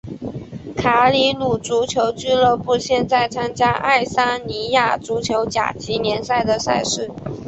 卡里鲁足球俱乐部现在参加爱沙尼亚足球甲级联赛的赛事。